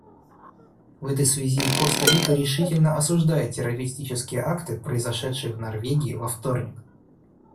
В этой связи Коста-Рика решительно осуждает террористические акты, произошедшие в Норвегии во вторник.